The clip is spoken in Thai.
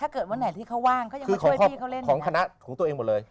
คือของคณะของตัวเองหมดเลย